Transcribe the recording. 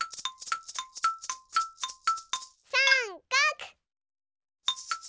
さんかく！